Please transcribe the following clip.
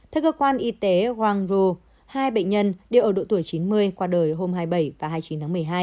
theo cơ quan y tế juan rou hai bệnh nhân đều ở độ tuổi chín mươi qua đời hôm hai mươi bảy và hai mươi chín tháng một mươi hai